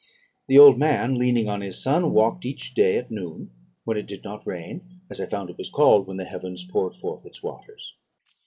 "The old man, leaning on his son, walked each day at noon, when it did not rain, as I found it was called when the heavens poured forth its waters.